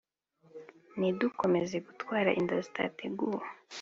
ntidukomeze gutwara inda zitateguwe